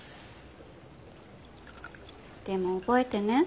でも覚えてね。